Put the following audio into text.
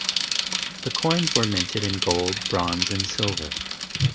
The coins were minted in gold, bronze and silver.